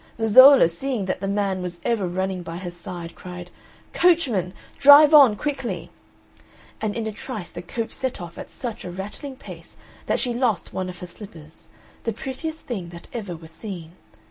Zezolla, seeing that the man was ever running by her side, cried, "Coachman, drive on quickly," and in a trice the coach set off at such a rattling pace that she lost one of her slippers, the prettiest thing that ever was seen.